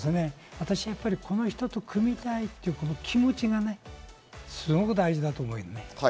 私、やっぱりこの人と組みたいという気持ちがね、すごく大事だと思う。